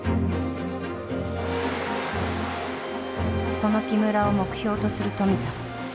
その木村を目標とする富田。